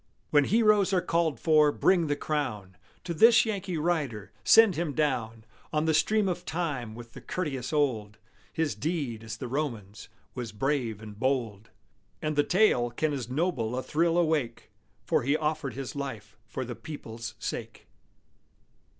When heroes are called for, bring the crown To this Yankee rider; send him down On the stream of time with the Curtius old; His deed, as the Roman's, was brave and bold; And the tale can as noble a thrill awake, For he offered his life for the people's sake!